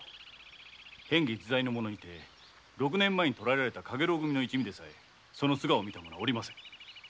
変化自在の者にて六年前に捕えられた一味でさえ素顔を見た者はおりません。